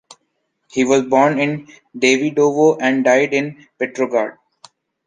He was born in Davydovo and died in Petrograd.